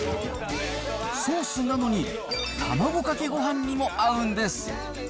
ソースなのに卵かけごはんにも合うんです。